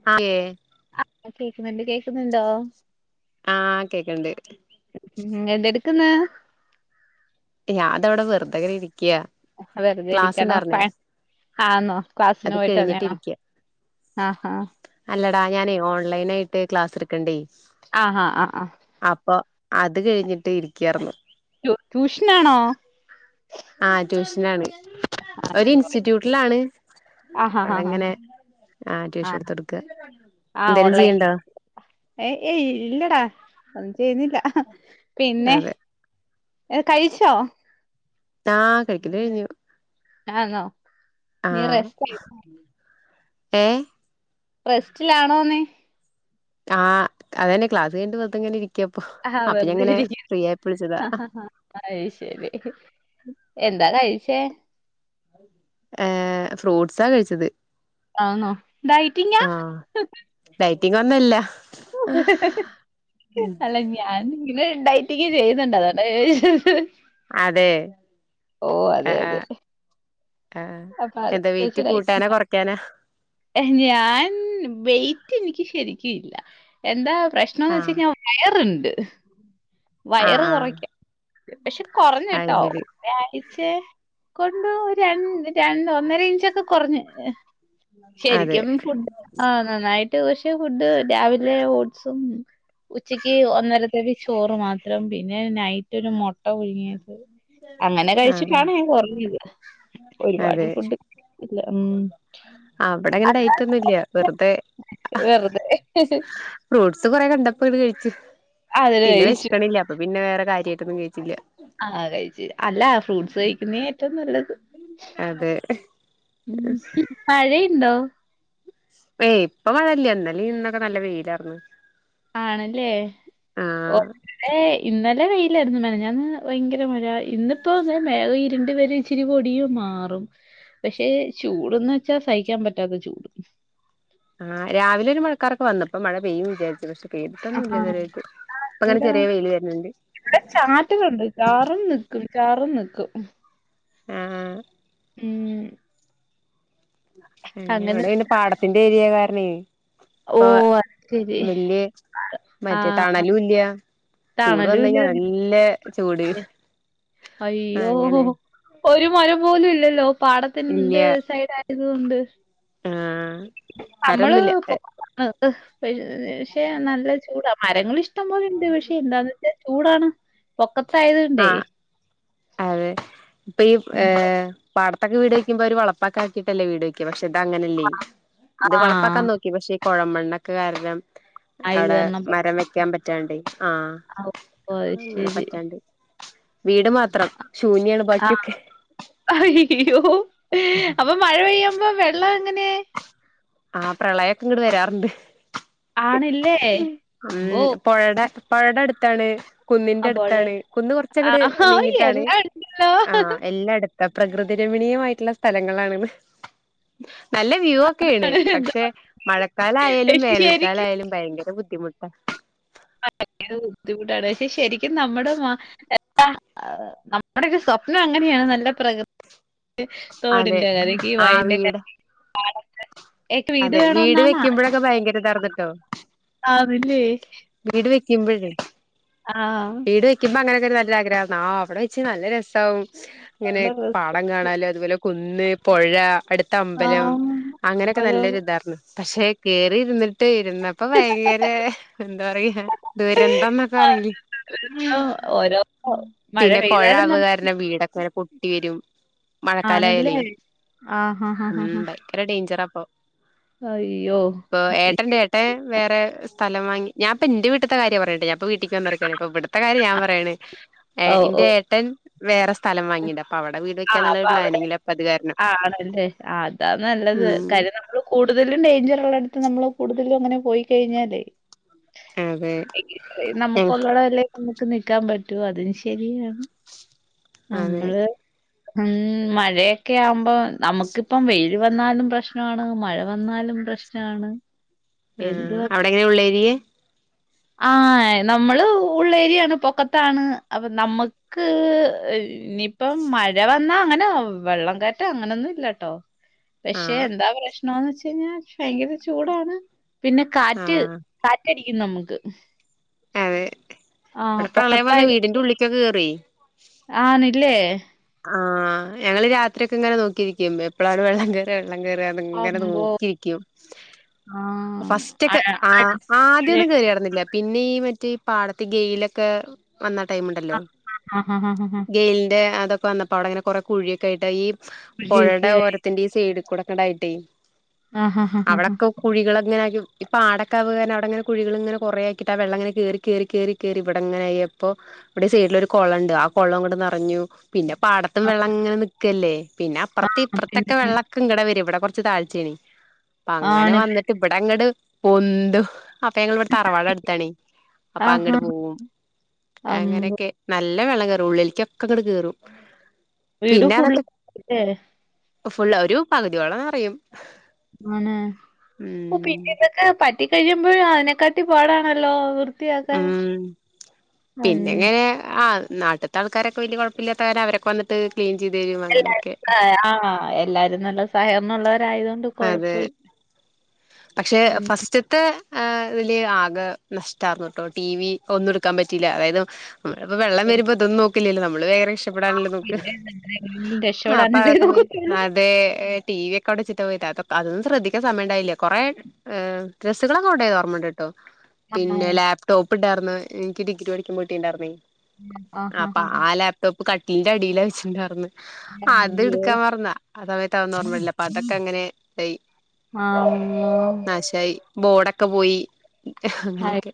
[unintelligible] ആ കേൾക്കുന്നുണ്ട് കേക്കുന്നുണ്ടോ ആഹ് കേക്കണ്ട് ഉം എന്തെടുക്കുന്ന് ഞാതവടെ വെറുതെ ങ്ങനെ ഇരിക്ക വെറുതെ ഇരിക്കണോ ആന്നോ ക്ലാസിന് അത് പോയിട്ട് വന്നെയാണോ കഴിഞ്ഞിട്ടിരിക്ക്യാ ആഹാ അല്ലടാ ഞാനേ ഓൺലൈൻ ആയിട്ട് ക്ലാസ് എടുക്ക്‌ ണ്ടേ ആ ആആഹ് ആ അപ്പൊ അത് കഴിഞ്ഞിട്ട് ഇരിക്കാർന്നു ട്യൂഷനാണോ? ആ ട്യൂഷനാണ് ആ ഒരു ശരി. ഇൻസ്റ്റിറ്റ്യൂട്ടിലാണ് ആഹാ ഹാ ഹാ അവിടെങ്ങനെ ഹാ ആ ട്യൂഷൻ എടുത്ത് കൊടുക്ക എന്തേലും ചെയ്യണ്ടോ ഏഹ് ഏയ് ഇല്ലടാ ഒന്നും ചെയ്യുന്നില്ല പിന്നെ അതെ ഏഹ് കഴിച്ചോ ആഹ് കഴിക്കല് കഴിഞ്ഞു ആന്നോ ഇനി ആഹ് റെസ്റ്റ് എടുക്കു ഏഹ് റെസ്റ്റിലാണോന്നെ ആഹ് അതന്നെ ക്ലാസ് കഴിഞ്ഞിട്ട് വെറുതെങ്ങനെ ഇരിക്കപ്പൊ ആഹാ അപ്പ ഞാ ങ്ങനെ ഫ്രീ ആയപ്പൊ വിളിച്ചതാ അയ് ശരി എന്താ കഴിച്ചേ ഏഹ് ഫ്രൂട്ട്സാ കഴിച്ചത് ആന്നോ ഡൈറ്റിങ്ങാ ഡയറ്റിങ്ങൊന്നല്ല [unintelligible] അല്ല ചി ഞാൻ പിന്നെ ഡൈറ്റിങ് ചെയ്യുന്നുണ്ട് അതോണ്ടാ ചോദിച്ചത് അതെ ഓ അതെ ആഹ് അതെ ആഹ് ആഹ് അപ്പൊ എന്താ വെയിറ്റ് കൂട്ടാനാ കൊറയ്ക്കാനാ ഏഹ് ഞാൻ വെയിറ്റ് എനിക്ക് ശരിക്കും ഇല്ല എന്താ പ്രശ്നംന്ന് ആഹ് വെച്ചയ്ഞ്ഞ വയറ്ണ്ട് ആഹ് വയറ് ആഹ് കുറക്ക പക്ഷെ അത് കുറഞ്ഞേട്ടോ ശരി ഒരാഴ്ച കൊണ്ട് രണ്ട് രണ്ട് ഒന്നര ഇഞ്ച് ഒക്കെ കൊറഞ്ഞു അതെ ശരിക്കും ഈ ഫുട് ആഹ് നന്നായിട്ട് പക്ഷെ ഫുഡ് രാവിലെ ഓട്സും ഉച്ചയ്ക്ക് ഒന്നരതവി ചോറ് മാത്രം പിന്നെ നൈറ്റ് നൈറ്റ് ഒരു മൊട്ട പുഴുങ്ങിയത് അങ്ങനെ ആഹ് കഴിച്ചിട്ടാണ് ഞാൻ കൊറഞ്ഞത് അതെ ഉം അവടെ അങ്ങനെ ഡൈറ്റൊന്നുംല്ല അല്ലാതെ വെറുതെ വെറുതെ ഫ്രൂട്ട്സ് കൊറേ കണ്ടപ്പോ ഇത് കഴിച്ചു അതിന് പിന്നെ കഴിച്ചു വെഷക്കണില്ല അപ്പൊ പിന്നെ വേറെ കാര്യായിട്ടൊന്നും കഴിച്ചില്ല ആഹ് കഴിച്ചു അല്ല ഫ്രൂട്ട്സ് കഴിക്കുന്നയാ ഏറ്റവും നല്ലത് അതെ ഉം മഴയിണ്ടോ ഏയ് ഇപ്പ മഴല്യ ഇന്നലെ ഇന്നൊക്കെ നല്ല വെയിലാർന്ന് ആണല്ലേ ആഹ് ഓഹ് ഏയ് ഇന്നലെ വെയ്യിലായിരുന്നു മെനിഞ്ഞാന്ന് ഭയങ്കര മഴ ഇന്നിപ്പോ ദേ മേഘം ഇരുണ്ടു വരി ഇച്ചിരി പൊടിയും മാറും പക്ഷെ ചൂട്ന്ന് വെച്ചാ സഹിക്കാൻ പറ്റാത്ത ചൂട് ആഹ് രാവിലെ ഒരു മഴക്കാറൊക്കെ വന്ന് അപ്പോ മഴ പെയ്യും വിചാരിച്ചു പക്ഷെ പെയ്തീട്ടൊന്നുല്ല ആഹ് ഇതുവരായിട്ടും ഇപ്പങ്ങനെ എന്താ ചെറിയ വെയില് വരുന്നുണ്ട് ഇവിടെ ചാറ്റലുണ്ട് ചാറും നിക്കും ചാറും നിക്കും ആഹ് ആഹ് ഉം ഉം അങ്ങനെ ഇവിടെ പിന്നെ പാടത്തിന്റെ ഏരിയ കാരണെ ഓ ഇപ്പൊ അത് ശരി വെല്ല്യ മറ്റേ ആഹ് തണലും ഇല്ല്യ ചൂട് വന്നഴിഞ്ഞാ തണലുല്ല നല്ല ചൂട് അയ്യോ അങ്ങനെ ഒരു മരം പോലും ഇല്ലല്ലോ ഇല്ല പാടത്തിന്റെ സൈഡ് ആ യത് കൊണ്ട് ആഹ് നമ്മള് മരൊന്നുല്ല പ് പക്ഷെ നല്ല ചൂടാ മരങ്ങളിഷ് ഷ്ടം പോലെ ഇണ്ട് പക്ഷെ എന്താന്ന് വെച്ചാൽ ചൂടാണ് പൊക്കത്തായത് കൊണ്ടേ ആഹ് അതെ ഇപ്പ ഈ ഏ ഉം. പാടത്തൊക്കെ വീട് വക്കുമ്പോ അവര് [unintelligible] പട്ടല്ലേ വീട് വക്ക പക്ഷെ ഇത് അങ്ങനെയല്ലേ ഇത് ആ വളപ്പൊക്കാൻ നോക്കി പക്ഷെ ഈ കുഴമെണ്ണൊക്കെ കാരണം ആയത് അവിടെ കാരണം പെ- മരം വെക്കാൻ പത്തണ്ട് ആഹ് ആ ഓ അത് അങ്ങനെ ശരി. പറ്റാണ്ട് വീട് മാത്രം ശൂന്യാണ് ആ ബാക്കിയൊക്കെ ആയോ അപ്പൊ മഴ പെയ്യുമ്പോ വെള്ള എങ്ങനെ ആ പ്രളയൊക്കെ ഇങ്ങട് വരാറുണ്ട് ആണല്ലേ? ഉം അമ്പോ! പുഴയുടെ പുഴയുടെ അടുത്താണ് കുന്നിന്റെ അപ്പോഴ് അടുത്താണ് കുന്ന് ആ കുറച്ചങ്ങട് നീങ്ങിട്ടാണ് എല്ലാം ഉണ്ടല്ലോ. ആ എല്ലാടു പ്രകൃതി രമണീയമായിട്ടുള്ള സ്ഥലങ്ങളാണ്ന്ന് നല്ല വ്യൂ ഒക്കെയാണ് എന്താ പക്ഷെ മഴക്കാലായാലും ശരിക്കും വേനൽക്കാലായാലും ഭയങ്കര ബുദ്ധിമുട്ടാ [unintelligible] ഭയങ്കര ബുദ്ധിമുട്ടാണ് പക്ഷെ ശരിക്കും നമ്മുടെ നമ്മുടൊക്കെ സ്വപ്നം അങ്ങനെയാണ് നല്ല പ്രകൃതി അതെ തോടിന്റെ കരക്ക് ആഹ് വഴിന്റെ കരി വീട് അതെ വീട് ആ- വെക്കുമ്പോഴൊക്കെ ഭയങ്കര ഇതാർന്നിട്ടോ ആണല്ലേ വീട് വെക്കുമ്പോഴേ ആഹ് വീട് വെക്കുമ്പോ അങ്ങനെയൊക്കെ ഒരു നല്ല ആഗ്രഹാന്ന് ആ അവിടെ വെച്ച് നല്ല രസാവും ഇങ്ങനെ നല്ല രസം. പാടം കാണാലൊ അതുപോലെ കുന്ന് പുഴ അടുത്ത് ആ അമ്പലം അങ്ങനെ ഓരോ നല്ലൊരു ഇതായര്ന്നു പക്ഷെ കേറി ഇരുന്നിട്ട് ഇരുന്ന പ്പൊ ഭയങ്കര എന്താ പറയ ദൂരന്തം എന്നൊക്കെ പറിയില്ലെ ഓരോ മഴ പിന്നെ പൊഴ പെയ്താലും അത് നമ്മ കാരണം വീടൊക്ക പൊട്ടി വരും ആണല്ലേ മഴക്കാലയാലേ ആഹ് ആഹ് ആഹ് ഉം ആഹ്. ഭയങ്കര ഡേഞ്ചറാ ഇപ്പൊം അയ്യോ ഇപ്പൊ ഏട്ടന്റെ ഏട്ടൻ വേറെ സ്ഥലം വാങ്ങി ഞാൻ ഇപ്പൊ ഇന്റെ വീട്ടിത്തെ കാര്യാ പറയണ്ട് ഞാൻ ഇപ്പോ വീട്ടക്ക് വന്നടക്കാണ് ഇപ്പോ ഇവിടുത്തെ കാര്യ ഞാൻ പറയണെ ഏ ഓ ഓ ഇന്റെ ഏട്ടൻ വേറെ സ്ഥലം വാങ്ങിണ്ട് അപ്പൊ അവിടെ വീട് ആ അപ്പൊ വെക്കാന്നുള്ളരു അവിടെ പ്ലാനിങ്ങില് അപ്പൊ അത് കാരണം ആണല്ലേ അതാ നല്ലത് ഉം കാര്യം നമ്മള് കൂടുതലും ഡേഞ്ചർ ഉള്ള അടുത്ത് നമ്മള് കൂടുതലും അങ്ങനെ പോയി കഴിഞ്ഞാലേ അതെ നമുക്ക് ഞങ്ങ ഒള്ളതല്ലേ നമുക്ക് നിക്കാൻ പറ്റു അതും ശരിയാണ് അതെ നമ്മള് ഉം മഴയൊക്കെ ആവുമ്പോ നമുക്കിപ്പം വെയ്ല് വന്നാലും പ്രശ്നമാണ് മഴ വന്നാലും പ്രശ്നം ആണ് ഉം അവ്ടെങ്ങനെ ഉള്ളേരിയെ ആഹ് നമ്മള് ഉള്ളേരിയാണ് പൊക്കത്താണ് അപ്പൊ നമ്മ ക്ക് ഇനിയിപ്പം മഴ വന്നാ അങ്ങനെ വെള്ളം കയറ്റം അങ്ങനൊന്നും ഇല്ലട്ടോ ആ പക്ഷേ എന്താ പ്രശ്നോന്ന് വെച്ച് കഴിഞ്ഞാ ഭയങ്കര ചൂടാണ് പിന്നെ ആ കാറ്റ് കാറ്റടിക്കും നമ്മക്ക് അതെ ഇവടെ പ്രളയം വന്ന വീടിന്റെ ഉള്ളിക്കൊക്കേ കേറോയ് ആണ്ല്ലേ ആഹ് ഞങ്ങള് രാത്രിയൊക്കെ ഇങ്ങനെ നോക്കിരിക്കും എപ്പളാണ് വെള്ളം കേറാ വെള്ളം കേറാ എന്ന് ന്ന്ങ്ങനെ അമ്പോ നോക്കിരിക്കും ആഹ് ഫസ്‌റ്റൊക്കെ ആഹ് അടുത്ത് പുഴ ആദ്യൊന്നും കേറ്യേര്ന്നില്ല പിന്നെ ഈ മറ്റേ ഈ പാടത്ത് ഗെയിലൊക്കേ വന്നാ ടൈമിണ്ടല്ലോ ആഹ് ആഹ് ആഹ് ആഹ് ഗെയിലിന്റെ അതൊക്കെ വന്നപ്പോ അവടങ്ങനെ കൊറേ കുഴിയൊക്കെ ആയിട്ട് ഈ പുഴയൊക്കെ പൊഴടെ ആയി ഓരത്തിന്റെ ഈ സൈഡിക്കൂടൊക്കെണ്ടായിട്ടേ ആഹ് ആഹ് ആഹ് അവടൊക്കെ കുഴികളിങ്ങനാക്കി ഇപ്പാടക്കാവേ കാരണം അവടെങ്ങനെ കുഴികളിങ്ങനെ കൊറേ ആക്കീട്ടാ വെള്ളങ്ങനെ കേറി കേറി കേറി കേറി ഇവടെങ്ങനായി അപ്പോ ഇവിടെ സൈഡിലൊരു കൊളണ്ട് ആ കൊളങ്ങട് നറഞ്ഞു. പിന്നെ പാടത്തും ആഹ് വെള്ളങ്ങനെ നിക്കല്ലേ പിന്നെ ആ അപ്പറത്തി ഇപ്പറത്തെക്കെ പിന്നെ വെള്ള ഇങ്ങടാ വരാ ഇവിടെ കൊറച്ച് താഴ്ച്ചേണേ അപ്പങ്ങനെ ആണല്ലേ. വന്നിട്ട് ഇവിടെ അങ്ങട് പൊന്തും. അപ്പോ ഞങ്ങളിവടെ തറവാട് അടുത്താണേ അപ്പോ ആഹാ. അങ്ങട്ട് പോവും അമ്പ് അങ്ങനൊക്കെ നല്ല വെള്ളം കേറും ഉള്ളില്ക്കൊക്കെങ്ങട് കേറും. വീട് പിന്നെ ഫുള്ള് അതൊക്കെ ല്ലേ? ഫുൾ ഒരു പകുതിയോളം നറയും. ആണ് [unintelligible] പിന്നെ ഇതൊക്കെ പറ്റി കഴിയുമ്പഴ് അതിനെക്കാട്ടി പാടാണല്ലോ വൃ ഉം പിന്നെങ്ങനെ ആഹ് നാട്ടി ത്താൾക്കാരൊക്കെ വല്യേ കൊഴപ്പല്ലാത്ത കാരണം അവരൊക്കെ വന്നിട്ട് ക്ലീൻ ചെയ്ത് തരും അങ്ങനെക്കെ. ആഹ് എല്ലാരും നല്ല സഹകരണം ഉള്ളോരായതോണ്ട് കൊഴപ്പല്ല. പക്ഷേ ഫസ്റ്റ ത്തെ ഏഹ് വലിയ ആകെ നഷ്ടാർന്നുട്ടോ ടി വി ഒന്നും ഇടുക്കാൻ പറ്റിയില്ല അതായത് നമ്മളിപ്പോ വെള്ളം വരുമ്പോ ഇതൊന്നും നോക്കില്ലല്ലോ നമ്മള് വേഗം രക്ഷ പ്പെടാനല്ലേ നോക്കാ പിന്നെ എങ്ങനെയെങ്കിലും ആഹ് അപ്പോ രക്ഷപ്പെടാനല്ലേ അതൊക്കെ പോയി നോക്കത്തുള്ളൂ. ആ ടെ ടി വി ഒക്കെ അവടെ വെച്ചിട്ടാ പോയത് അതൊന്നും ശ്രദ്ധിക്കാൻ സമയണ്ടായില്ല. കൊറേ ഏഹ് ഡ്രസ്സ്‌കളൊക്കെ കൊണ്ടോയത് ഓർമ്മണ്ട്ട്ടോ ആണോ? പിന്നെ ലാപ് ടോപ്പിണ്ടാർന്ന് ഇനിക്ക് ഡിഗ്രി പഠിക്കുമ്പോ കിട്ടീണ്ടാർന്നേ അപ്പോ ആഹാഹാ. ആ ലാപ് ടോപ് കട്ടിലിന്റെ അടീലാ വച്ചിണ്ടാർന്ന് അത് അയ്യോ! ഇട്ക്കാൻ മറന്നാ ആ സമയത്ത് അതൊന്നും ഓർമ്മല്ല അപ്പ അതൊക്കെങ്ങനേ ഇതായി. [unintelligible] നാശായി ബോഡൊക്കെ പോയി അങ്ങനെയൊക്കെ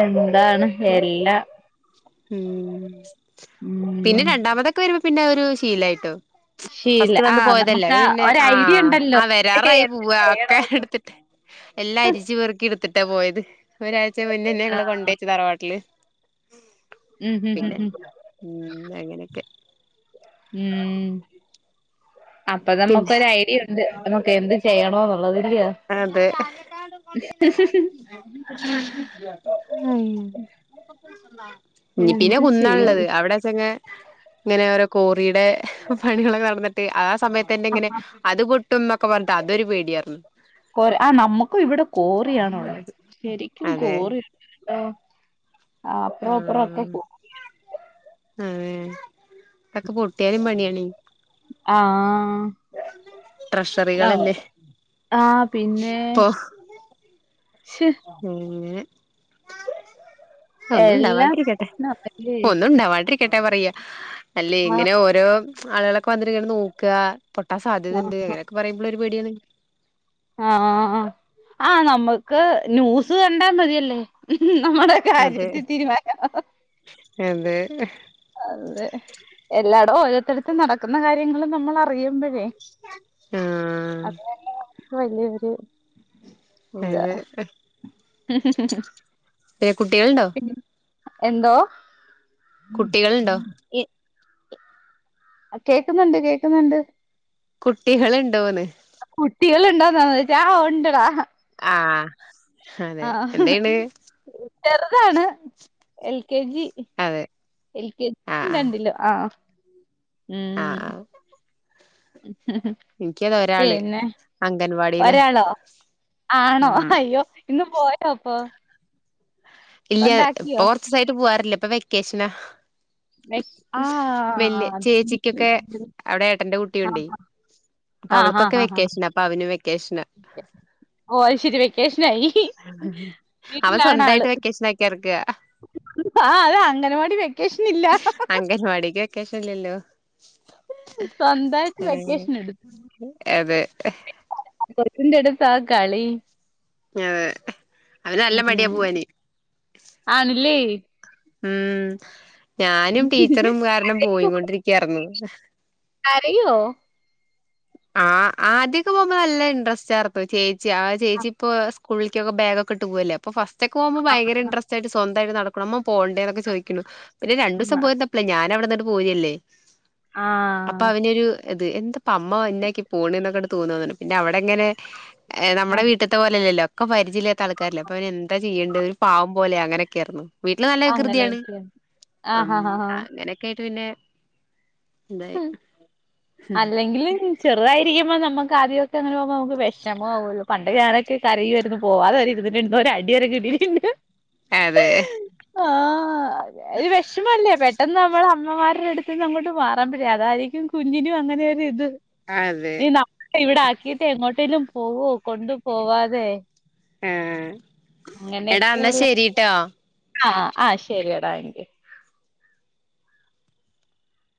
എന്താണ് എല്ലാ ഉം പിന്നെ ഉം. രണ്ടാമതൊക്കെ വരുമ്പോ പിന്നെ അതൊരു ശീലായിട്ടോ. ശീല ഫസ്റ്റ് ആ വന്ന് പോയതല്ലേ നമുക്ക് [unintelligible] പിന്നെ ഒരു ഐഡിയ ആഹ് ഉണ്ടല്ലോ ആ വരാറായി എന്ത് പൂവ്വാ ഒക്കെ ചെയ്യണോന്ന് ഇടുത്തിട്ട് എല്ലാ അരിച്ച് പെറുക്കി ഇടുത്തിട്ടാ പോയത് ഒരാഴ്ച മുന്നന്നേ ആ ഞങ്ങള് കൊണ്ടയച്ചു തറവാട്ടില്. ഉം ഉം ഉം പിന്നെ ഉം ഉം അങ്ങനെക്കെ. [unintelligible] അപ്പ പിന്നെ നമ്മക്കൊരു ഐഡിയ ഉണ്ട് നമുക്ക് എന്ത് ചെയ്യണോന്നുള്ളത് ഇല്ല്യോ? അതെ. ഉം ഇഞ്ഞ് പിന്നെ എന്ത് കുന്നാ ചെയ്യും ഇള്ളത് അവിടെച്ചങ്ങ് ഇങ്ങനെ ഓരോ കോറീടെ പണികളൊക്കെ നടന്നിട്ട് ആ സമയത്തന്നെ ഇങ്ങനെ അത് പൊട്ടുന്നൊക്കെ പറഞ്ഞിട്ട് അതൊരു പേടിയാർന്നു. കോര ആഹ് നമ്മുക്കും ഇവിടെ കോറിയാണുള്ളേ ശരിക്കും അതെ കോറി ഓഹ് അപ്പറം ഇപ്പറം ഒക്കെ കോ ഏഹ് ഇതൊക്കെ പൊട്ടിയാലും പണിയാണേ. ആഹ് ട്രഷറികളല്ലേ [unintelligible] ആഹ് പിന്നെ ശ്ശേ ഉം എല്ലാം ഒന്നുണ്ടാവാണ്ടിരിക്കട്ടെ പ്രശ്നമാല്ലേ ഒന്നുണ്ടവാണ്ടിരി ക്കട്ടെ പറയാ അല്ലേ ആ ഇങ്ങനെ ഓരോ ആളുകളൊക്കെ വന്നിട്ട് ഇങ്ങനെ നോക്കാ പൊട്ടാൻ സാധ്യത ഇണ്ട് ഇങ്ങനൊക്കെ പറയുമ്പള് ഒരു പേടിയാണ്. ആഹ് ആഹ് ആഹ്. ആഹ് നമ്മക്ക് ന്യൂസ് കണ്ടാ മതിയല്ലേ. നമ്മളെ അതെ കാര്യത്തി തീരുമാനാവും. അതെ അതെ. എല്ലാടും ഓരോരുത്തരതും നടക്കുന്ന കാര്യങ്ങള് നമ്മള് അറിയുമ്പഴേ. ആഹ് അത് തന്നെ ഇക് വെല്ല്യൊര് ഏത് കുട്ടികളുണ്ടോ എന്തോ കുട്ടികള്ണ്ടോ? അഹ് കേക്ക്ന്ന്ണ്ട് കേക്ക്ന്ന്ണ്ട്. കുട്ടികള്ണ്ടോന്ന്. കുട്ടിയേള്ണ്ടോന്നാണോ ചോയിച്ചേ ആഹ് ഉണ്ടടാ. ആഹ് അതെ ആഹ് എന്തെയ്യ്ണ് ചെറുതാണ് എൽ കെ ജി. അതെ എൽ കെ ജി ആഹ് രണ്ടിലും ആഹ്. ആഹ് ഉം ആഹ് ആഹ് എനിക്കതാ ഒരാള് പിന്നെ അംഗൻവാടിയിലാ ഒരാളോ ആണോ ഉം അയ്യോ ഇന്ന് പോയോ അപ്പൊ ഇല്ല. കൊണ്ടാക്കിയോ ഇപ്പൊ കൊർചീസായിട്ട് പോവാറില്ല ഇപ്പ വെക്കേഷനാ. ആ വെല്യ ചേച്ചിക്കൊക്കെ അവടെ ഏട്ടന്റെ കുട്ടിയുണ്ടേ. അപ്പവൾക്കൊക്കെ വെക്കേഷനാ അപ്പൊ അവനും വെക്കേഷനാ. ഓഹ് അത് ശരി വെക്കേഷനായി. വീട്ടിലാണ് ആള്. ന്നെക്കെർക്കാ. ആഹ് അത അംഗനവാടി വെക്കേഷനില്ലാ. പരിവാടിക്ക് വെക്കേഷെല്ലല്ലോ. സ്വന്തായിട്ട് വെക്കേഷൻ എടുത്തു. അതെ. പോതിന്റെ ടുത്താ കളി ഞ് അതെ അവന് നല്ല ഉം മടിയാ ഉം പോവാന് ആണ് ല്ലേ. ഉം ഞാനും ടീച്ചറും കാരണം പോയികൊണ്ടിരിക്ക്യാർന്നു. കരയോ ആഹ്. ആദ്യൊക്കെ പോകുമ്പോ നല്ല ഇൻട്രസ്റ്റ് ആർപ്പ് ചേച്ചി ആ ചേച്ചി ഇപ്പോ സ്കൂളിക്കൊക്കെ ബേഗൊക്കെ ഇട്ട് പോവല്ലേ അപ്പോ ഫസ്റ്റ് ഒക്കെ പോകുമ്പം ഭയങ്കര ഇൻഡ്രസ്റ്റ് ആയിട്ട് സ്വ ന്തായിട്ട് നടക്കണം അമ്മ പോണ്ടേ ന്നൊക്കെ ചോയിക്കുണു. പിന്നെ രണ്ടൂസം പോയി വന്നപ്പ്ളേ ഞാനവിടന്നിട്ന്ന്ങ്ങട്ട് പോരല്ലേ. ആഹ് അപ്പവനൊരു ഇത് എന്ത പ്പ അമ് മ വര്നേക്ക് പോണ്ന്നൊക്കാണ്ട് തോന്നാന്നർഞ്. പിന്നെഅവിടെ ങ്ങനെ നമ്മുടെ വീ ട്ട്ത്തെ പോലല്ലല്ലൊ ഒക്ക പരിചയില്ലാത്ത ആൾക്കാരല്ല അപ്പപിന്നെ എന്താ ചെയ്യണ്ട് ഒരു പാവം പോലെ അങ്ങനൊക്കെയാർന്നു. വീട്ടില് നല്ല വികൃതിയാണ്. അങ്ങനെയൊക്കെയ അം ആഹ് ആഹ് ആഹ് അങ്ങനെയൊക്കെ ആയിട്ട് പിന്നെ ഇതായി. ഉം അല്ലെങ്കിലും ചെറുതായിരിക്കുമ്പം നമ്മ ക്കാദ്യവൊക്കെ അങ്ങനെ പോവുമ്പോ നമുക്ക് വെഷമാവൊല്ലോ. പണ്ട് ഞാനൊക്കെ കരയുവാരുന്നു പോവാതെ വരെ ഇരുന്നിട്ട്ണ്ട്. ഒരടിവരെ കിട്ടീട്ട്ണ്ട്. അതെ ആഹ് ഒര് വെ ഷമ അല്ലേ പെട്ടെന്ന് നമ്മൾ അമ്മമാരുടെ അടുത്ത്ന്ന് അങ്ങോട്ട് മാറാൻ പറ്റില്ല അതായിരിക്കും കു കുഞ്ഞിനും അങ്ങനെരു ഇത് അതെ ഇവിട ആക്കീട്ട് എങ്ങോട്ടേലും പോവോ കൊണ്ട്പോവാതെ ആഹ് എടാ എന്നാ ശരിട്ടോ ആഹ് ആ ശരിയടാ ടാങ്ക് യു